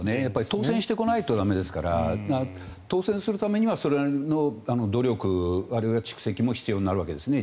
当選してこないと駄目ですから当選するためにはそれなりの努力あるいは蓄積も必要になるんですね。